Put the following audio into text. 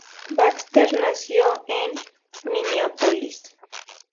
Baxter nació en Minneapolis.